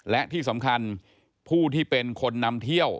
และที่สำคัญผู้ที่เป็นคนนำเที่ยว